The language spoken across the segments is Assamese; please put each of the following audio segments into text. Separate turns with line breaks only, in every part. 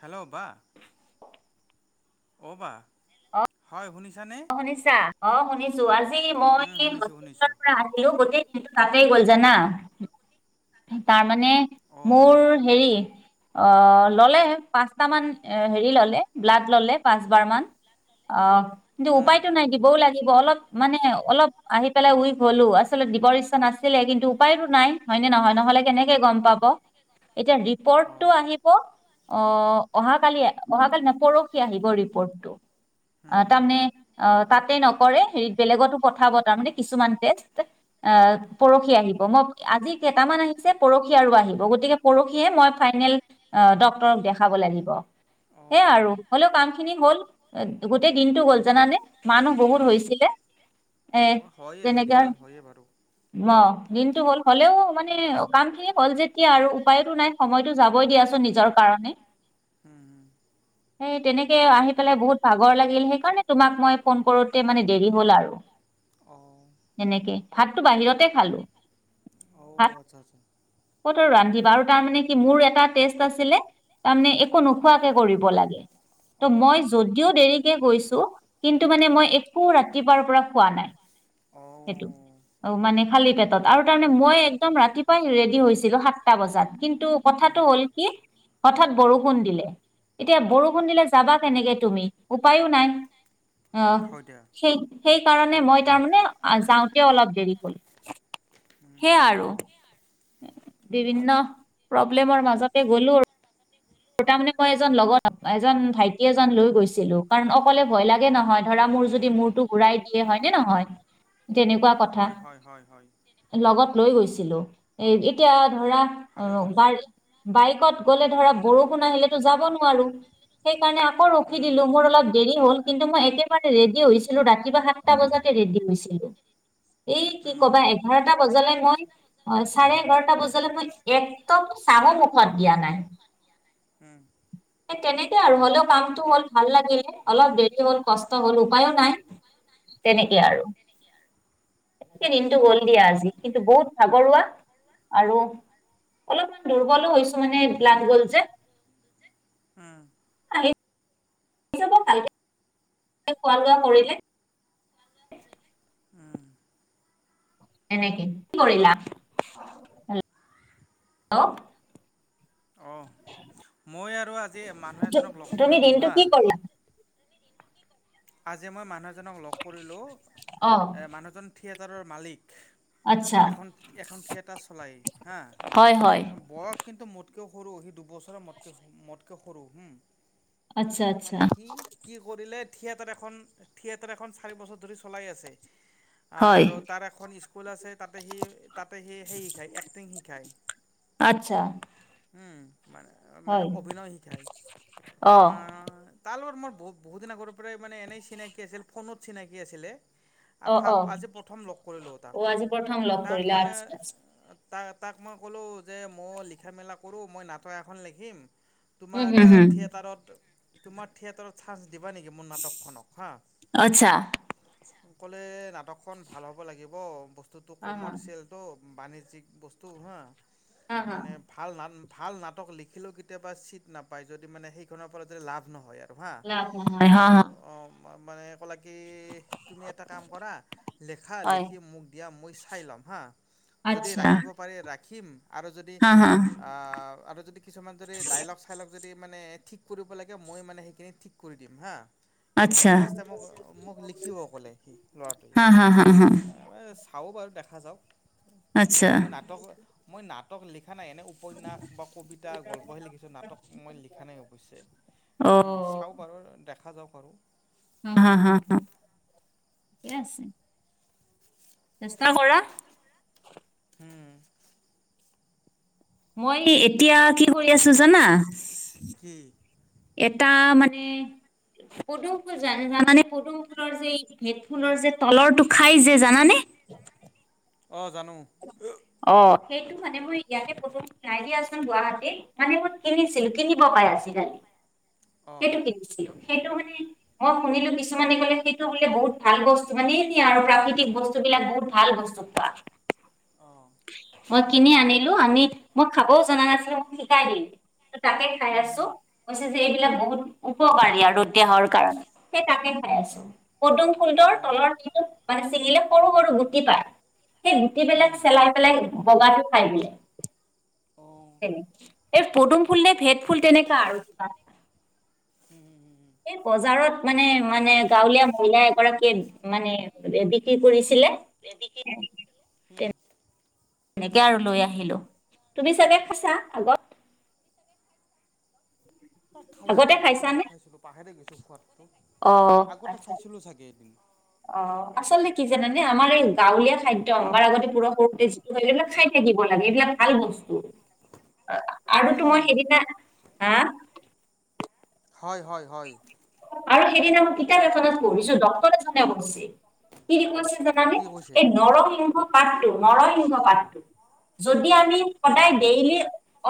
হেল্ল' বা। অ' বা। হয় শুনিছানে।
অ', শুনিছা। অ', শুনিছো, আজি মই
উম,
এই
শুনিছোঁ
হস্পিলৰ
শুনিছোঁ
পৰা আহিও গোটেই দিনটো তাতেই গ'ল জানা, তাৰমানে মোৰ
অ'
হেৰি অ', ল'লে, পাঁচটামান হেৰি ল'লে ব্লাড ল'লে পাঁচবাৰমান। অ', কিন্তু
উম,
উপায়তো নাই, দিবও লা গিব অলপ মানে অলপ আহি পেলাই উইক হ'লো। আচলতে, দিবৰ ইচ্ছা নছিলে কিন্তু উপায়তো নাই। হয় নে নহয়? নহলে কেনেকে গম পাব। এতিয়া ৰিপৰ্টটো
অ'।
আহিব। অ', অহা কালি অহা কালি নহয়, পৰহি আহিব ৰিপৰ্টটো।
হুম
আহ
হুম
তাৰমানে অ', তাতেই নকৰে হেৰিত বেলেগতো পঠাব তাৰমানে কিছুমান টেষ্ট। অহ, পৰহি আহিব। মই আজি কেইটামান আহিছে পৰহি আৰু আহিব। গতিকে পৰহিয়ে মই ফাইনেল ডক্তৰক দেখাব লাগিব। সেয়া আৰু
অ'।
হ'লেও কাম খিনি হ'ল। গোটেই দিনটো গ'ল জানানে, মানুহ বহুত
অ'।
হৈছিলে। এ
অ' হয়ে
তেনেকে
মেডিকেলত হয়ে বাৰু
অ', দিনতটো গল, হ'লেও মানে কাম খিনি হ'ল যেতিয়া আৰু উপায়তো নাই। সময়তটো যাবই দিয়াচোন নিজৰ কাৰণে।
হম।
সেই তেনেকেই আহি পেলাই বহুত ভাগৰ লা গিল, সেইকাৰণে তোমাক মই ফোন কৰোতে মানে দেৰি হ'ল আৰু।
অহ।
সেনেকেই, ভাতটো বাহিৰতে খালো। ভাত
অ', আচ্ছা আচ্ছা।
ক'ত ৰান্ধিবা আৰু তাৰ মানে কি মোৰ এটা টেষ্ট আছিলে তাৰমানে একো নোখোৱাকে কৰিব লাগে ত
অ'
মই যদিও দেৰি গৈছো কিন্তু মানে মই একো ৰাতিপুৱাৰ পৰা খোৱা নাই
অ
অ মানে খালী পেটত আৰু তাৰমানে মই একদম ৰাতিপুৱাই ৰেডি হৈছিলো সাতটা বজাত কিন্তু
উম,
কথাটো হ'ল কি হঠাৎ বৰষুণ দিলে এতিয়া বৰষুণ দিলে যাবা কেনেকে তুমি উপায়ো নাই আহ
হয় দিয়া।
সেই সেইকাৰণে মই তাৰমানে যাওঁতে অলপ দেৰি হল
উম,
সেয়া
হুম হুম
আৰু
হুম।
বিভিন্ন প্ৰব্লেমৰ মাজতে গ'লো আৰু তাৰ মানে মই এজন লগত এজন ভাইটি এজন লৈ গৈছিলো কাৰণ অকলে ভয় লাগে নহয় ধৰা মোৰ যদি মোৰ ঘুৰাই দিয়ে হয় নে নহয় তেনেকুৱা কথা
হয় হয় হয় হয়
লগত লৈ গৈছিলো এ এতিয়া ধৰা
ভালে কৰিছা
বাৰ বাইকত গ'লে ধৰা বৰষুণ আহিলেতো যাব নোৱাৰো সেইকাৰণে আকৌ ৰখি
উম
দিলো মোৰ অলপ দেৰি হ'ল কিন্তু মই একেবাৰে ৰেডি হৈছিলো ৰাতিপুৱা সাতটা বজাতে ৰেডি হৈছিলো এই
হৈছিলোঁ
কি
উম
কবা এঘাৰটা বজালে মই অ চাৰে এঘাৰটা বজালে মই একদম চাঙৰ মুখত দিয়া নাই
হু
তেনেকে আৰু হ'লেও কামটো হ'ল ভাল লাগিলে অলপ দেৰি হ'ল কষ্ট হ'ল উপায়ো নাই
উম
তেনেকেই আৰু সকে দিনটো গল দিয়া আজি কিন্তু বহুত ভাগৰুৱা আৰু অলপমান দুৰ্বলো হৈছো মানে লান গল যে
উম
আহ ফাল খোৱা লোৱা কৰিলে
উম
ক কি হেল্ল
অঁ মই আৰু আজি মানুহ এজনক লগ
তুমি
কৰিলোঁ
দিনটো
হা
কি কৰিলা
আজি মই মানুহজনক লগ কৰিলোঁ
অ
মানুহজন থিয়েটাৰৰ মালিক
আচ্ছা
এখন এখন থিয়েটাৰ চলাই
হয় হয়
হা ব কিন্তু মোতকেও সৰু সি দুবছৰে মোতকে মোতকৈ সৰু হম
আচ্ছা
উম
আচ্ছা
মানে সি কি কৰিলে থিয়েটাৰ এখন থিয়েটাৰ এখন চাৰি বছৰ ধৰি চলাই আছে
হয়
আৰু তাৰ এখন স্কুল আছে তাতে সি তাতে সি সেই শ খায় এক্টিং শিকায়
আচ্ছা
মানে মানে
হয়
অভিনয় শিকায়
অ
তালৰ মোৰ বহু বহুদিন আগৰ পৰাই মানে এনেই চিনাকি আছিল ফোনত চিনাকি আছিলে
অ অ
আজি প্ৰথম লগ কৰি লো
অ
তাক
আজি প্ৰথম লগ
তাক
কৰিলা
মানে
আচ্ছা আচ্ছা
তাক তাক মই ক'লোঁ যে মই লিখা মেলা কৰোঁ মই নাটক এখন লিখিম।
উম
তোমাৰ
হুম হুম
থিয়েটাৰত, তোমাৰ থিয়েটাৰত চান্স দিবা নেকি মোৰ নাটকখনক হা।
আচ্ছা।
ক'লে নাটকখন ভাল হ'ব লাগিব বস্তুটো
হা হা
কমাৰ্চিয়েল। ত' বাণিজ্যিক বস্তু হা
হা হা
মানে ভাল ভাল নাট ভাল নাটক লিখিলেও কেতিয়াবা চিট নাপায়। যদি মানে সেইখনৰ পৰা যদি লাভ নহয় ইয়াৰ। অহা এইটো অহ' মানে কি তুমি এটা কাম কৰা লিখা লিখি মোক দিয়া মই চাই ল'ম হা যদি
আচ্ছা
ৰাখিব পাৰি ৰাখিম আৰু যদি আৰু যদি কিছুমান যদি ডাইলগ চাইলগ যদি মানে ঠিক কৰিব লাগে। মই মানে সেইখিনি ঠিক কৰি দিম হা। কিন্তু ফাৰ্ষ্ট টাই মোক মোক লিখিব ক'লে সি ল'ৰাটোৱে।
হা হা হা হা
তাৰ চাওঁ বাৰু দেখা যাওঁক।
আচ্ছা
মই নাটক মই নাটক লিখা নাই এনেও। উপন্যাস বা কবিতা গল্পহে লিখিছোঁ। নাটক মই লিখা নাই অৱশ্যো
অ
অহ'চাওঁ। বাৰু দেখা যাওঁক আৰু।
হা হা হা ঠিকে আছে। নাষ্টা কৰা।
হ'ম।
মই এতিয়া কি কৰি আছোঁ জানা।
কি
এটা মানে পদুম ফুল জানানে পদুম ফুলৰ যে ভেট ফুলৰ যে তলৰটো খাই যে জানানে?
অ' জানোঁ।
অ' সেইটো মানে মই ইয়াকে পঢ়ো নাইকিয়াচোন গুৱাহাটী মানে মই কিনিছিলো কিনিব পাই আজিকালি।
অ
সেইটো কি দিছিলে, সেইটো মানে। অ' শুনিলো কিছুমানে ক'লে সেইটো বোলে বহুত ভাল বস্তু মানে এনে আৰু প্ৰাকৃতিক বস্তু বিলাক বহুত ভাল বস্তু। কোৱা
অ'
মই কিনি আনিলোঁ। আনি মই খাবও জনা নাছিলোঁ। মোক শিকাদিল। তাকে খাই
হুম
আছোঁ
হুম
কৈছে যে এইবিলাক বহুত উপকাৰী আৰু দেহৰ কাৰণে, সেই তাকে খাই
অ
আছোঁ। পদুম ফুলটোৰ
অ
তলৰতো। মানে ছিঙিলে সৰু সৰু গুটি পায়। সেই গুটি বিলাক
হুম
চেলাই পেলাই বগাটো খাই বোলে।
অ
এই পদুম ফুল নে ভেদ ফুল তেনেকা আৰু কিবা।
উম, হুম, হুম, হুম।
এই বজাৰত মানে মানে গাঁৱলীয়া মহিলা এগৰাকী মানে। বিক্ৰী কৰিছিলে।
[unintelligible] উম।
এনেকে আৰু লৈ আহিলোঁ। তুমি চাগে খাইছা আগত। আগতে
খাইছিলোঁ বহুত দিন
খাইছানে
আগত খাইছিলোঁ। পাহেৰে গৈছো খোৱাদটো।
অ
আগতে
আচ্ছা আচ্ছা।
খাইছিলোঁ চাগে এদিন।
অ' আচলতে কি জানানে আমাৰ এই গাঁৱলীয়া খাদ্য অমাৰ আগতে পোৰা সৰতেজ। এইবিলাক খাই থাকিব লাগে। এইবিলাক ভাল বস্তু আৰু তোমাৰ সেইদিনা। হা
হয়, হয়, হয়।
আৰু সেইদিনা মই কিতাপ এখনত পঢ়িছো ডক্তৰৰ এজনে [unintelligible] মানে
কি কৈছে
এই নৰসিংহ পাতটো, নৰসিংহ পাতটো যদি আমি।
হুম
সদায় ডেইলি।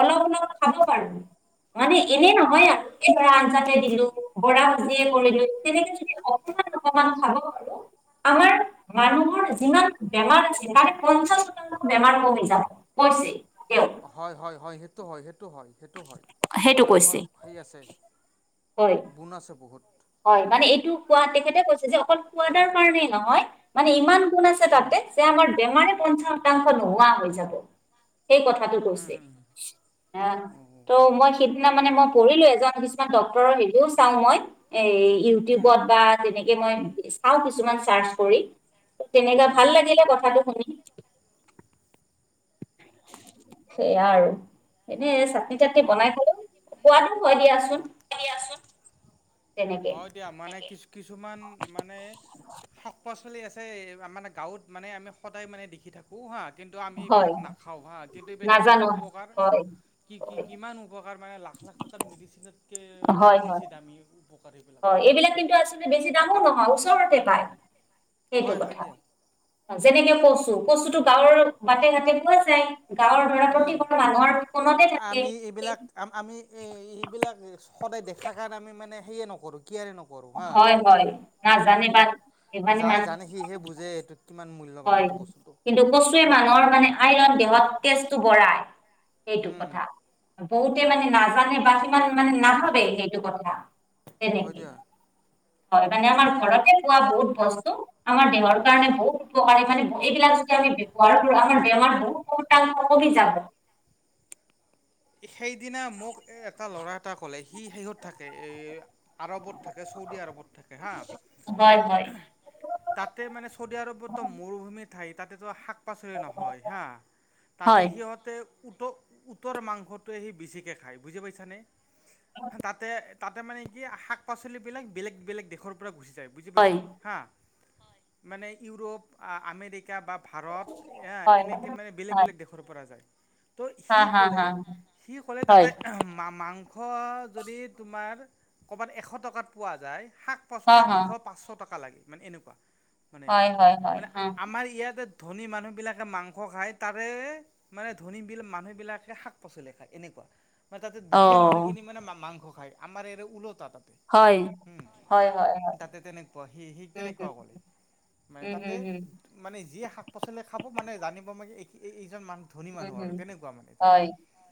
অলপ অলপ খাব পাৰো। মানে এনে
হুম
নহয় এইধৰা আঞ্জাতে। বৰা ভুজিয় কৰিলো, তেনেকে যদি অকমান অকমান খাব আৰু আমাৰ মানুহৰ যিমান বেমাৰ আছে। তাৰে পঞ্চাশ শতাংশ বেমাৰ কমি যাব। পছে তেওঁ
হয়, হয়, হয় সেইটো হয় সেইটো হয়। সেইটো হয়,
সেইটো কৈছে
নৰসিংহৰ সেৰি আছে
হয়
বুণ আছে বহুত।
হয় মানে এইটো কোৱা তেখেতে কৈছে যে অকল খোৱাদাৰ কাৰণেই নহয় মানে ইমান গুণ আছে
হুম
তাতে যে আমাৰ বেমাৰ পঞ্চাশ শতাংশ নোহোৱা হৈ যাব। সেই কথাটো
হুম
কৈছে।
হুম
আহ ত মই সেইদিনা মানে মই পঢ়িলো এজন কিছুমান ডক্তৰৰ হেৰিও চাওঁ মই। এ
হুম
ইউটিউবত বা তেনেকে মই চাওঁ কিছুমান চাৰ্চ কৰি। তেনেকা
হুম
ভাল লাগিলে কথাটো শুনি।
[inaudible]
সেয়া আৰু এনেই চাটনি টাটনি
হুম
বনাই খালো সোৱাদো হয় দিয়াচোন। তেনেকে
হয় দিয়া, মানে কিছু কিছুমান মানে শাক পাচলি আছে আমাৰ গাঁৱত মানে আমি সদায় মানে দেখি থাকো। হো হা কিন্তু আমি
হয়
এইবিলাক নাখাওঁ হা কিন্তু এইবিলাক কিমান
নাজানো
উপকাৰ
হয়
কি কি
হয়
কিমান উপকাৰ মানে লাখ লাখ টকাৰ মেডিচিনতকৈ মানে
হয় হয়
বেছি দামী। উপকাৰ সেইবিলাকৰ
হয় এইবিলাক কিন্তু আচলতে বেছি দামো নহয় ওচৰতে পায় সেইটো
হয় হয়
কথা।
দিয়া
যেনেকে কচু কচু টো গাঁৱৰ বাটে ঘাটে পোৱা যায়। গাঁৱৰ ধৰা
উম
প্ৰতিখন মানুহৰ ফোনতে থাকে
আমি এইবিলাক আমি এইবিলাক সদায় দেখাৰ কাৰণে আমি মানে সেয়ে নকৰোঁ কিয়াৰে নকৰোঁ হা
হয় হয় নাজানে
কিন্তু
বা মানে
যাই জানে
মানুহে
সিহে বুজে কিমান মূল্য
হয় কিন্তু কচুৱে মানুহৰ মানে আইৰণ দেহত তেজটো বঢ়ায়। সেইটো
হম
কথা বহুতে মানে নাজানে বা সিমান মানে নাভাবে সেইটো কথা।
হয়
তেনেকে
দিয়া
হয় মানে আমাৰ ঘৰতে পোৱা বহুত বস্তু আমাৰ দেহৰ কাৰণে বহুত উপকাৰী মানে এইবিলাক যদি আমি ব্যৱহাৰ কৰো আমাৰ বেমাৰ বহুত কমাল কমি যাব।
সেইদিনা মোক এটা ল'ৰা এটা ক'লে সি সেইহত থাকে এই আৰৱত থাকে চৌদি আৰৱত থাকে হা
হয় হয়।
তাতে মানে চৌদি আৰবতটো মৰুভূমি ঠাই তাতেতো শাক শাক পাচলি নহয় হা, তাতে
হয়
সিহতে উট উটৰ মাংস সি বেচিকে খাই বুজি পাইচা নে তাতে তাতে মানে কি শাক পাচলিবিলাক বেলেগ বেলেগ দেশৰ পৰা গুচি যায় বুজি
হয়।
পাইছা। হা মানে ইউৰোপ আমেৰিকা বা ভাৰত এ
হয়
এনেকে মানে বেলেগ
হয়
বেলেগ দেশৰ পৰা যায়। ত
হা
সি
হা
ক'লে
হা
সি ক'লে
হয়।
তাতে মাংস যদি তোমাৰ ক'ৰবাত এশ টকাত পোৱা যায় শাক
হা
পাচলি
হা
দুশ, পাচশ টকা লাগে মানে এনেকুৱা মানে
হয় হয় হয়
মানে
হা।
আমাৰ ইয়াতে ধনী মানুহবিলাকে মাংস খাই তাৰে মানে ধনী বিল মানুহবিলাকে শাক পাচলি খায় এনেকুৱা মানে তাতে
অ
দুখীয়া মানুহখিনি মানে মাংস খায় আমাৰ এৰে ওলতা তাতে
হয়।
হম
হয় হয় হয়
তাতে তেনেকুৱা সি সি
উম
তেনেকুৱা
হুম
কৰে মানে
উম
তাতে
হুম হুম
মানে যিয়ে শাক পাচলি খাব মানে জানিব মে এইজন মানুহ ধনী
উম
মানুহ আৰু
হুম
তেনেকুৱা মানে তাতে।
হয়।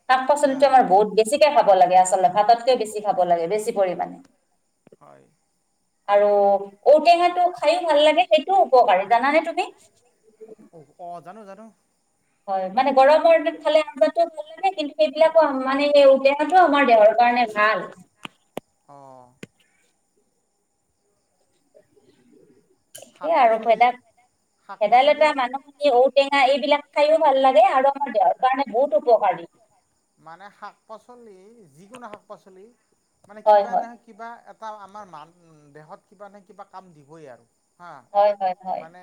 শাক
হা
পাচলিটো আমাৰ বহুত বেছিকে খাব লাগে আচলতে ভাততকৈ বেছি খাব লাগে বেছি পৰিমাণে।
হয়।
আৰু ঔটেঙাটো খায়ো ভাল লাগে, সেইটোও উপকাৰী জানানে তুমি?
অ', অ'' জানো জানো।
হয় মানে গৰমৰ দিন খালে আঞ্জাটো ভাল লাগে কিন্তু সেইবিলাকো মানে সেই ঔটেঙাটো আমাৰ দেহৰ কাৰণে ভাল।
অ'।
সেয়ে
শাক
আৰু
পাচলি
ভেদাল
শাক পাচলি
ভেদাইলতা মানুহ ঔটেঙা এইবিলাক খাইও ভাল লাগে আৰু আমাৰ দেহৰ কাৰণে বহুত উপকাৰী।
মানে শাক পাচলি যিকোনো শাক পাচলি মানে
হয়
কিবা
হয়
নহয় কিবা এটা আমাৰ মান, দেহত কিবা নহয় কিবা কাম দিবই আৰু। হা
হয় হয় হয়
মানে,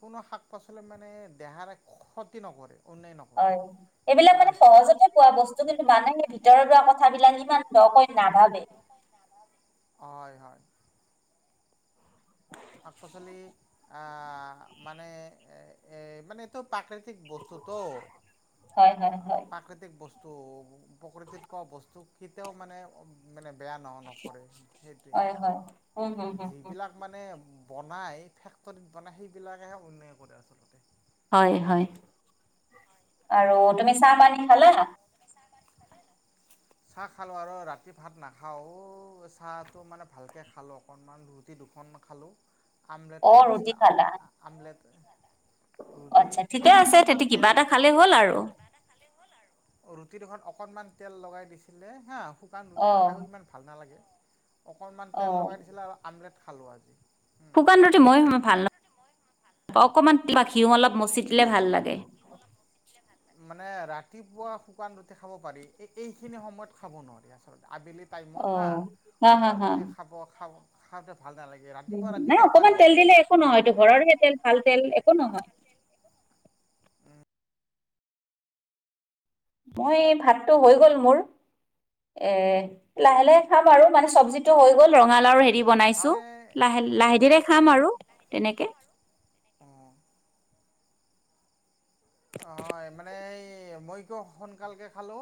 কোনো শাক পাচলি মানে দেহাৰে ক্ষতি নকৰে। অন্যায় নকৰে
হয় এইবিলাক মানে
হয়
সহজতে কোৱা বস্তু কিন্তু মানে, সেই ভিতৰত লোৱা কথাবিলাক ইমান দকৈ নাভাবে।
হয়, হয়। শাক পাচলি মানে এই মানে প্ৰাকৃতিক বস্তুটো।
হয় হয় হয়
প্ৰাকৃতিক বস্তু প্ৰকৃতিত পোৱা বস্তু কেতিয়াও মানে মানে বেয়া ন নকৰে সেইটোৱে
হয় হয় উম হুম হুম হুম
যিবিলাক মানে বনায় ফেক্টৰীত বনায় সেইবিলাকেহে অন্যায় কৰে আচলতে।
হয়, হয়, আৰু তুমি চাহ পানী খালা।
পেচা বাট ভালে ন [unintelligible] চাহ খালো, আৰু ৰাতি ভাত নাখাওঁ চাহটো মানে ভালকৈ খালো অকণমান ৰুট ৰুটী দুখন খালো আমলেট
ৰুটি
কৰিছিলে আল
খালা
আমলেট। ৰুটি
আচ্ছা ঠিকে আছে
অকণমান
তেতিয়া কিবা
তেল
এটা খালেই হ'ল আৰু
ৰুটিডোখৰত অকণমান তেল লগাই দিছিলে হা শুকান ৰুটি খায়ো
অ
সিমান ভাল নালাগে। অকণমান তেল
অ
লগাই, দিছিলে আৰু আমলেট খালো আজি। উম,
শুকান ৰুটি মই সিমান ভাল নাপাওঁ। অকণমান বা ঘিউ অলপ মচি দিলে ভাল লাগে।
অলপ মচি দিলে মানে ৰাতিপুৱা শুকান ৰুটি খাব পাৰি। এই এইখিনি সময়ত খাব নোৱাৰি আচলতে আবেলিত টাইমত
অ
হা
হা হা
শুকান
হা
ৰুটি খাব খাব খাওঁতে ভাল নালাগে।
উম,
ৰাতিপুৱা
নাই
ৰাতিপুৱা
অকমান
পাৰি।
তেল দিলে একো
মানে
নহয়। এইটো ঘৰৰহে তেল ভাল তেল একো নহয়। মই, এই ভাতটো হৈ গ'ল মোৰ। এ লাহে লাহে খাম আৰু মানে চবজি টো হৈ গ'ল, ৰঙালাও হেৰি
উম,
বনাইছো
হয়
লাহে লাহে ধিৰে খাম আৰু তেনেকে।
অ'। অ' মানে এই মই কিয় সোনকালকে খালো